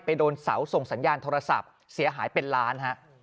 โดนเสาส่งสัญญาณโทรศัพท์เสียหายเป็นล้านฮะ